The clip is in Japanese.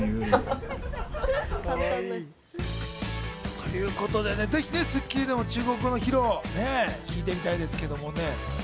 ということでね、ぜひ『スッキリ』でも中国語の披露を聞いてみたいですけれどもね。